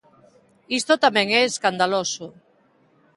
Isto tamén é escandaloso.